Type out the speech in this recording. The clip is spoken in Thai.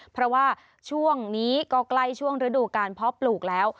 เพราะว่าช่วงนี้ก็ใกล้ช่วงฤดูการเพาะปลูกแล้ว